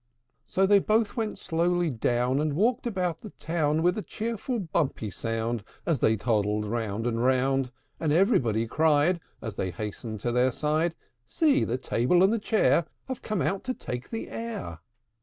III. So they both went slowly down, And walked about the town With a cheerful bumpy sound As they toddled round and round; And everybody cried, As they hastened to their side, "See! the Table and the Chair Have come out to take the air!"